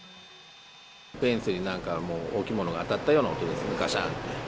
フェンスになんかもう、大きいものが当たったような音です、がしゃーんって。